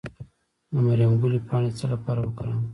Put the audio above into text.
د مریم ګلي پاڼې د څه لپاره وکاروم؟